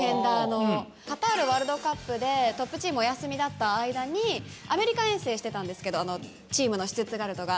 カタールワールドカップでトップチームお休みだった間にアメリカ遠征してたんですけどチームのシュツットガルトが。